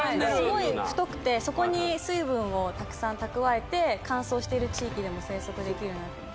すごい太くてそこに水分をたくさん蓄えて乾燥してる地域でも生息できるようになってる。